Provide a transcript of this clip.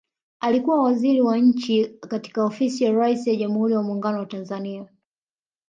Alikuwa Waziri wa Nchi katika Ofisi ya Rais wa Jamhuri ya Muungano wa Tanzania